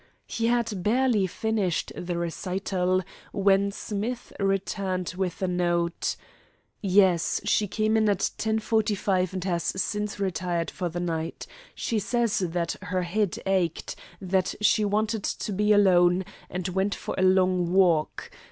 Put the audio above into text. He had barely finished the recital when Smith returned with a note: "Yes; she came in at 10.45, and has since retired for the night. She says that her head ached, that she wanted to be alone, and went for a long walk.